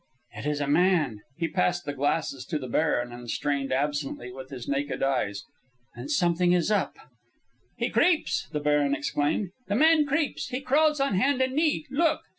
"It is a man." He passed the glasses to the Baron and strained absently with his naked eyes. "And something is up." "He creeps!" the baron exclaimed. "The man creeps, he crawls, on hand and knee! Look!